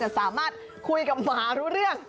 สามารถคุยกับหมารู้เรื่อง